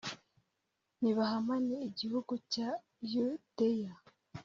nibahamane igihugu cya yudeya